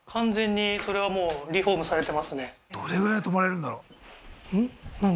それはもうどれぐらいで泊まれるんだろう？